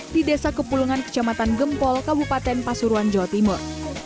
di desa kepulungan kecamatan gempol kabupaten pasuruan jawa timur